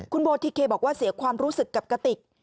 คุณโบทิเคบอกว่าเสียความรู้สึกกับกติก